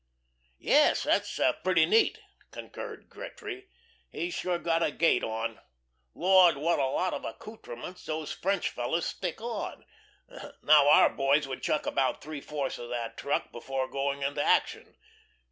"Yes, that's pretty neat," concurred Gretry. "He's sure got a gait on. Lord, what a lot of accoutrements those French fellows stick on. Now our boys would chuck about three fourths of that truck before going into action....